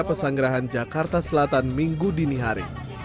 pesanggerahan jakarta selatan minggu dinihari